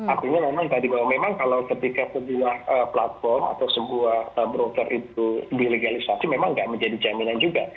artinya memang tadi bahwa memang kalau ketika sebuah platform atau sebuah broker itu dilegalisasi memang tidak menjadi jaminan juga